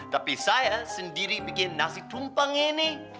tapi saya sendiri bikin nasi tumpeng ini